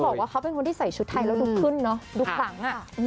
ก็ต้องบอกว่าเขาเป็นคนที่ใส่ชุดไทยแล้วดูขึ้นเนอะดูขลัง